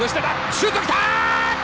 シュート来た！